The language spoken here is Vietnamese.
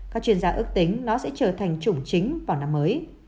các chuyên gia ước tính nó sẽ trở thành chủng chính vào năm mới